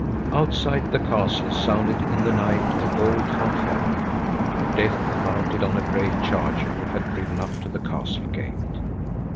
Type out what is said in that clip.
Outside the castle sounded in the night a bold fanfare. Death mounted on a gray charger had ridden up to the castle gate.